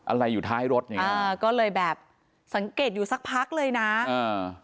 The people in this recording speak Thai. อะไรอยู่ท้ายรถเนี่ยอ่าก็เลยแบบสังเกตอยู่สักพักเลยนะอ่า